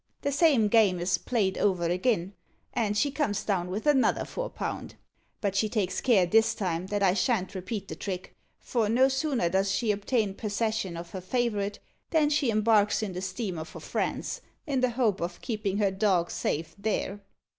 The same game is played over agin, and she comes down with another four pound. But she takes care this time that I shan't repeat the trick; for no sooner does she obtain persession of her favourite than she embarks in the steamer for France, in the hope of keeping her dog safe there."